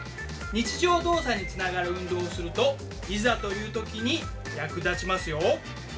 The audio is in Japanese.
日常動作につながる運動をするといざという時に役立ちますよ。